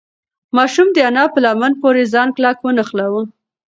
ماشوم د انا په لمن پورې ځان کلک ونښلاوه.